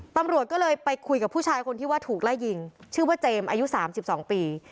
ตำรวจก็เลยไปคุยกับผู้ชายคนที่ว่าถูกไล่ยิงชื่อว่าเจมส์อายุ๓๒ปี